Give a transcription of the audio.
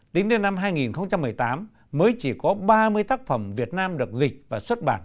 tính đến năm hai nghìn một mươi tám mới chỉ có ba mươi tác phẩm việt nam được dịch và xuất bản